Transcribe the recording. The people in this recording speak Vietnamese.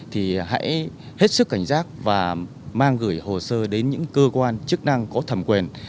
thì hãy hết sức cảnh giác và mang gửi hồ sơ đến những cơ quan chức năng có thẩm quyền